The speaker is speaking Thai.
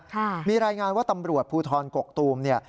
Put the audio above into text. ค่ะมีรายงานว่าตำรวจภูทรกกตูมเนี่ย